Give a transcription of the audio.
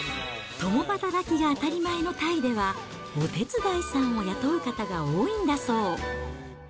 共働きが当たり前のタイでは、お手伝いさんを雇う方が多いんだそう。